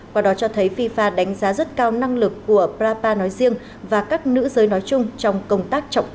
quả đó cho thấy fifa đánh giá rất cao năng lực của brapa nói riêng và các nữ giới nói chung trong công tác trọng tài